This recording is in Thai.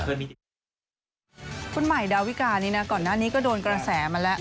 คุณใหม่ดาวิกานี่นะก่อนหน้านี้ก็โดนกระแสมาแล้ว